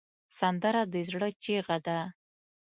سندره د زړه چیغه ده